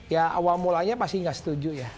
ya awal mulanya pasti nggak setuju ya